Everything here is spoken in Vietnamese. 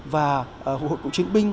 và hội hội cộng chiến binh